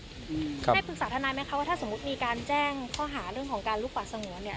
ได้ปรึกษาทนายไหมคะว่าถ้าสมมุติมีการแจ้งข้อหาเรื่องของการลุกป่าสงวนเนี่ย